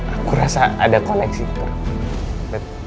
aku rasa ada koneksi